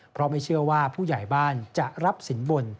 เพราะไม่เชื่อว่าผู้ใหญ่บ้านจะรับสินบน